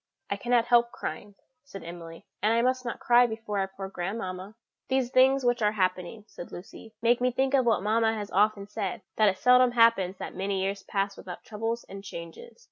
"I cannot help crying," said Emily; "and I must not cry before our poor grandmamma." "These things which are happening," said Lucy, "make me think of what mamma has often said, that it seldom happens that many years pass without troubles and changes.